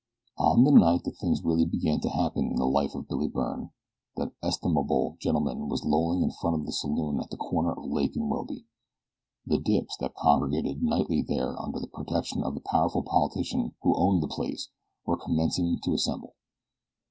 On the night that things really began to happen in the life of Billy Byrne that estimable gentleman was lolling in front of a saloon at the corner of Lake and Robey. The dips that congregated nightly there under the protection of the powerful politician who owned the place were commencing to assemble.